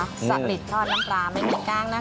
สนิททอดน้ำปลาไม่มีกล้างนะคะ